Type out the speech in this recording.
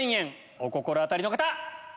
お心当たりの方！